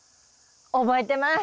覚えてます！